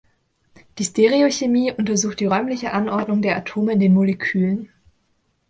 Die Stereochemie untersucht die räumliche Anordnung der Atome in den Molekülen.